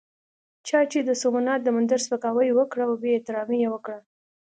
چا چې د سومنات د مندر سپکاوی وکړ او بې احترامي یې وکړه.